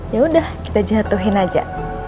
ya udah kita jatuhin aja